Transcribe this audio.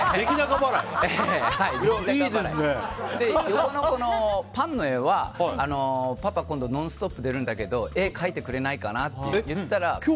横のパンの絵はパパ、今度「ノンストップ！」出るんだけど絵を描いてくれないかなって言ったら。